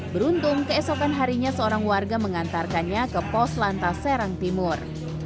beruntung keesokan harinya seorang warga mengantarkannya ke pos lantas serang timur